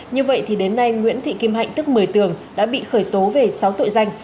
như vậy thì đến nay nguyễn thị kim hạnh tức một mươi tường đã bị khởi tố về sáu tội danh